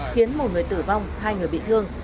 khiến một người tử vong hai người bị thương